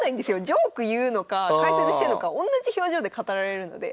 ジョーク言うのか解説してんのかおんなじ表情で語られるので。